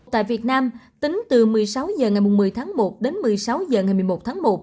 tại việt nam tính từ một mươi sáu h ngày một mươi tháng một đến một mươi sáu h ngày một mươi một tháng một